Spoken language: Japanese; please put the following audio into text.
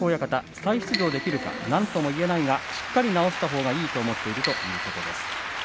再出場できるかなんとも言えないがしっかり治したほうがいいということです。